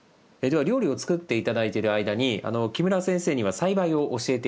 では料理を作って頂いている間に木村先生には栽培を教えて頂きたいと思います。